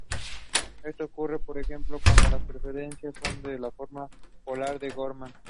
Esto ocurre, por ejemplo, cuándo las preferencias son de la forma polar de Gorman.